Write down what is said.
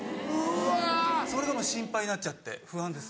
それが心配になっちゃって不安です。